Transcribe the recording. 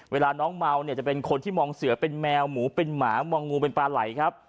เวลาน้องเมาเนี่ยจะเป็นคนที่มองเสือเป็นแมวหมูเป็นหมามองงูเป็นปลาไหลครับ